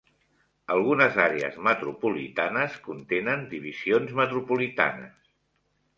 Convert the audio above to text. Algunes àrees metropolitanes contenen divisions metropolitanes.